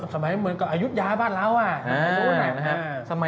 สมัยเหมือนกับอายุยาของบ้านเรา